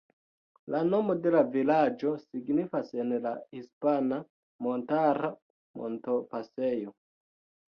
La nomo de la vilaĝo signifas en la hispana "Montara Montopasejo".